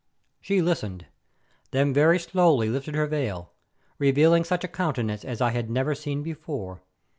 She listened, then very slowly lifted her veil, revealing such a countenance as I had never seen before.